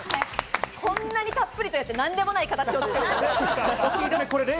こんなにたっぷりやって何でもない形を作りました。